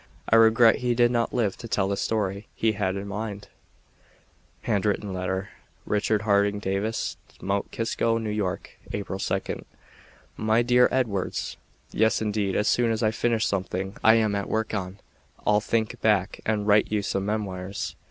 I regret he did not live to tell the story he had in mind. [Illustration: (Handwritten Letter) RICHARD HARDING DAVIS MOUNT KISCO NEW YORK April 2nd My Dear Edwards, Yes, indeed. As soon as I finish something I am at work on, I'll "think back", and write you some memoirs.